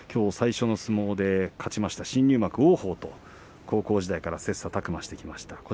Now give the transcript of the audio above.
最初の相撲で勝ちました新入幕王鵬と高校時代から切さたく磨してきました。